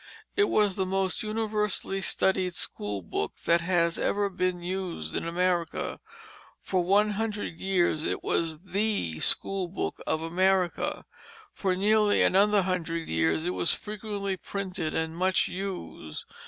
It was the most universally studied school book that has ever been used in America; for one hundred years it was the school book of America; for nearly another hundred years it was frequently printed and much used.